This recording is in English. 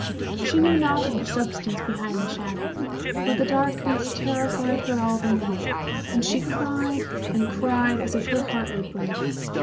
She knew naught of the substance behind the shadow, but the darkness terrified her all the more, and she cried and cried as if her heart would break.